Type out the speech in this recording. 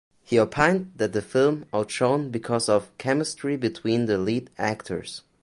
He opined that the film outshone because of chemistry between the lead actors.